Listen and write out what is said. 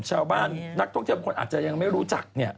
ชาวบ้านนักท่องเที่ยวคนอาจจะยังไม่รู้จัก